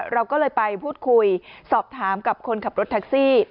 เราก็เลยไปพูดคุยสอบถามกับคนขับรถแท็กซี่